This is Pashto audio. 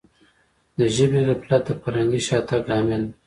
د ژبي غفلت د فرهنګي شاتګ لامل دی.